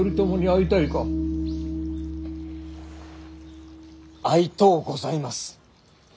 会いとうございます。